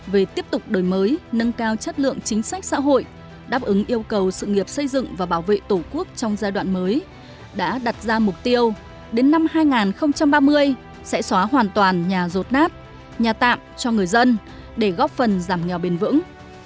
về tiếp tục đổi mới nâng cao chất lượng chính sách xã hội đáp ứng yêu cầu sự nghiệp xây dựng và bảo vệ tổ quốc trong giai đoạn mới đã đặt ra mục tiêu đến năm hai nghìn ba mươi sẽ xóa hoàn toàn nhà rột nát nhà tạm cho người dân để góp phần giảm nghèo bền vững